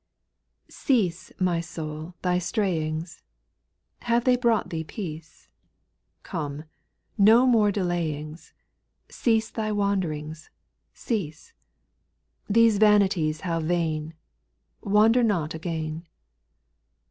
/^EASE, my soul thy strayings 1 \J Have they brought thee peace ? Come, no more delay ings, Cease thy wanderings, cease. These vanities how vain ! Wander not again.